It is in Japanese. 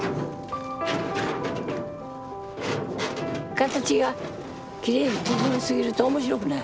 形がきれいに整いすぎると面白くない。